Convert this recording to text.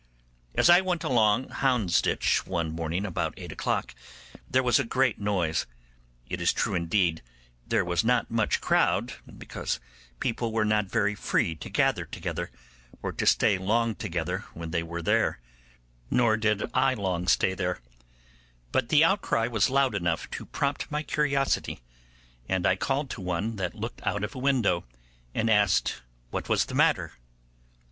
As I went along Houndsditch one morning about eight o'clock there was a great noise. It is true, indeed, there was not much crowd, because people were not very free to gather together, or to stay long together when they were there; nor did I stay long there. But the outcry was loud enough to prompt my curiosity, and I called to one that looked out of a window, and asked what was the matter.